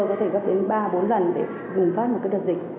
có thể gấp đến ba bốn lần để vùng phát một cái đợt dịch